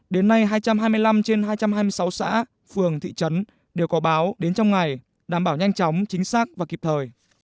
đến nay hai trăm hai mươi năm trên hai trăm hai mươi sáu xã phường thị trấn đều có báo đến trong ngày đảm bảo nhanh chóng chính xác và kịp thời